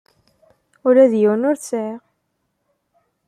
Ula d yiwen ur t-sɛiɣ.